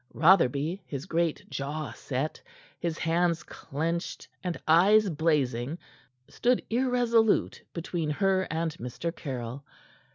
Rotherby, his great jaw set, his hands clenched and eyes blazing, stood irresolute between her and Mr. Caryll.